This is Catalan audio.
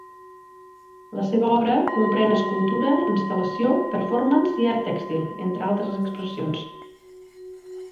La seva obra comprèn escultura, instal·lació, performance i art tèxtil, entre altres expressions.